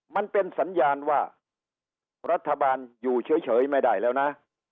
มันเป็นสัญญาณว่ารัฐบาลอยู่เฉยไม่ได้แล้วนะ